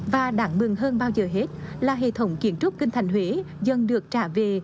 và đáng mừng hơn bao giờ hết là hệ thống kiến trúc kinh thành huế dần được trả về